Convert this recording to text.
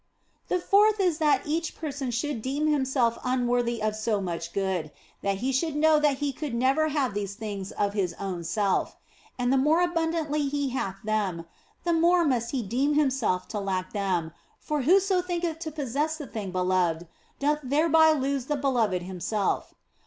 The fourth is that each person should deem himself unworthy of so much good ; that he should know that he could never have these things of his own self ; and the more abundantly he hath them, the more must he deem himself to lack them, for whoso thinketh to possess the thing beloved doth thereby lose the Beloved Himself.